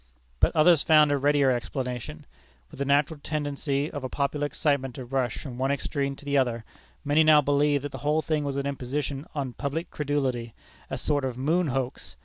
But others found a readier explanation. With the natural tendency of a popular excitement to rush from one extreme to the other, many now believed that the whole thing was an imposition on public credulity, a sort of "Moon hoax."